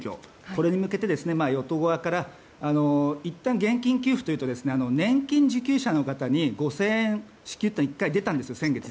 これに向けて与党側からいったん現金給付というと年金受給者の方に５０００円というのが先月、１回出たんです。